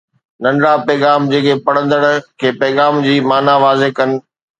ننڍڙا پيغام جيڪي پڙهندڙ کي پيغام جي معنيٰ واضح ڪن